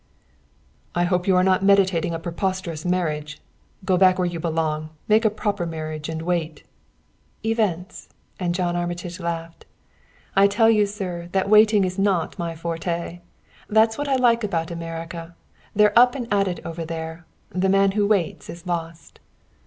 "I hope you are not meditating a preposterous marriage. Go back where you belong, make a proper marriage and wait " "Events!" and John Armitage laughed. "I tell you, sir, that waiting is not my forte. That's what I like about America; they're up and at it over there; the man who waits is lost."